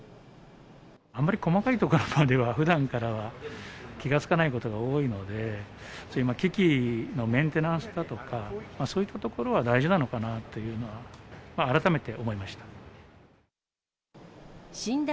あんまり細かいところまでは、ふだんから気がつかないことが多いので、機器のメンテナンスだとか、そういったところが大事なのかなというのは、改めて思いまし診断